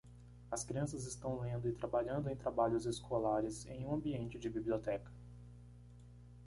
As crianças estão lendo e trabalhando em trabalhos escolares em um ambiente de biblioteca.